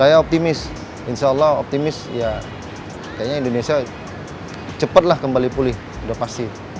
saya optimis insyaallah optimis ya kayaknya indonesia cepet lah kembali pulih udah pasti